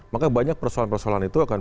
maka banyak persoalan persoalan itu akan